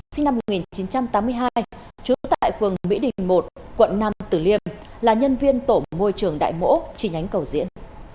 sinh năm một nghìn chín trăm tám mươi hai trú tại phường mỹ đình một quận năm tử liêm là nhân viên tổ môi trường đại mỗ chi nhánh cầu diễn